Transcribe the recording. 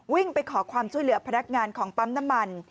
ไปขอความช่วยเหลือพนักงานของปั๊มน้ำมัน